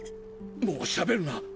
もうしゃべるな！